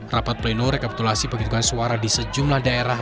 rapat pleno rekapitulasi penghitungan suara di sejumlah daerah